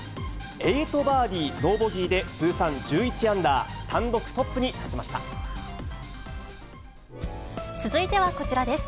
８バーディーノーボギーで通算１１アンダー、単独トップに立ち続いてはこちらです。